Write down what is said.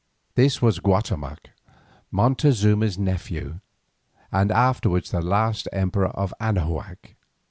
This was Guatemoc, Montezuma's nephew, and afterwards the last emperor of Anahuac.